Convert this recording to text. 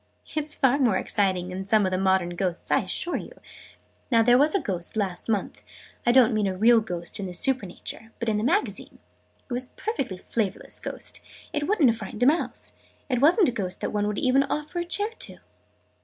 "It's far more exciting than some of the modern ghosts, I assure you! Now there was a Ghost last month I don't mean a real Ghost in in Supernature but in a Magazine. It was a perfectly flavourless Ghost. It wouldn't have frightened a mouse! It wasn't a Ghost that one would even offer a chair to!"